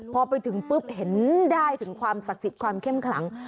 พอไปถึงปุ๊บเห็นได้ถึงความศักดิ์สิทธิ์ความเข้มขลัง